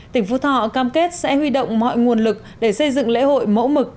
tỉnh phú thọ cam kết sẽ huy động mọi nguồn lực để xây dựng lễ hội mẫu mực